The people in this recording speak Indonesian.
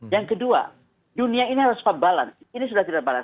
yang kedua dunia ini harus pebalan ini sudah tidak balan